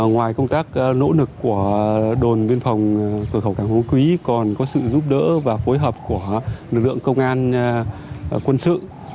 ngoài công tác nỗ lực của đồn biên phòng cửa khẩu cảng phú quý còn có sự giúp đỡ và phối hợp của lực lượng công an quân sự